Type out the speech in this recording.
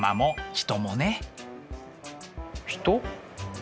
人？